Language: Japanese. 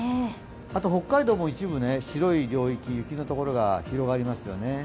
あと北海道も一部白い領域、雪のところが広がりますよね。